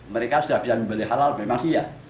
mereka sudah bisa membeli halal memang iya